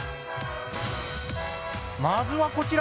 まずはこちら。